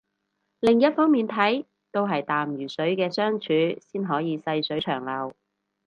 另一方面睇都係淡如水嘅相處先可以細水長流